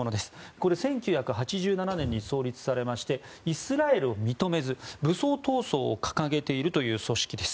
これ、１９８７年に創立されましてイスラエルを認めず武装闘争を掲げているという組織です。